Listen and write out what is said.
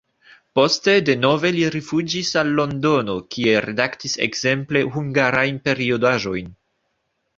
Poste denove li rifuĝis al Londono, kie redaktis ekzemple hungarajn periodaĵojn.